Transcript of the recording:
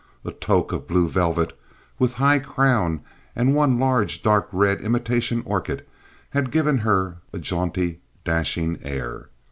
A toque of blue velvet, with high crown and one large dark red imitation orchid, had given her a jaunty, dashing air.